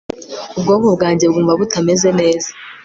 ubwonko bwanjye bwumva butameze neza